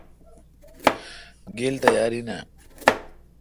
گیل تیاراین آ؟